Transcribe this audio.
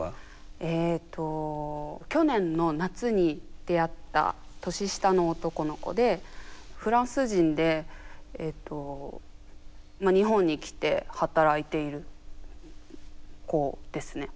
えと去年の夏に出会った年下の男の子でフランス人で日本に来て働いている子ですね。